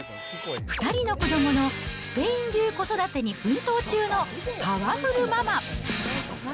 ２人の子どものスペイン流子育てに奮闘中のパワフルママ。